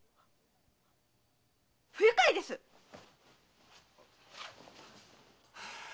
不愉快ですっ！